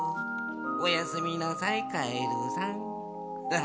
おやすみなさいカエルさんハハハ。